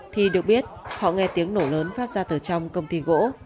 thì được biết họ nghe tiếng nổ lớn phát ra từ trong công ty gỗ